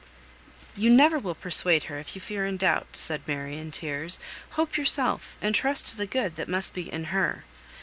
"You never will persuade her if you fear and doubt," said Mary, in tears. "Hope yourself, and trust to the good that must be in her.